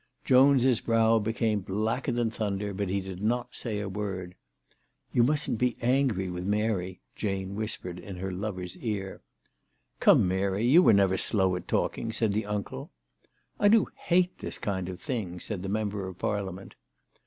Jones' brow became blacker than thunder, but he did not say a word. " You mustn't be angry with Mary," Jane whispered into her lover's ear. " Come, Mary, you never were slow at talking," said the uncle. " I do hate this kind of thing," said the member of Parliament.